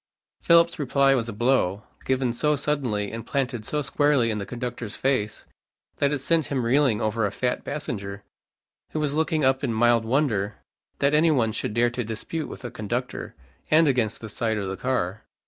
Philip's reply was a blow, given so suddenly and planted so squarely in the conductor's face, that it sent him reeling over a fat passenger, who was looking up in mild wonder that any one should dare to dispute with a conductor, and against the side of the car.